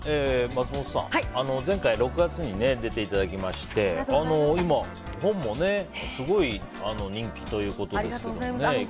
松本さん、前回６月に出ていただきまして今、本もすごい人気ということですけどね。